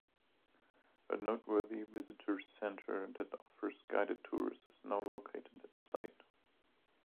A noteworthy visitors' centre that offers guided tours is now located at the site.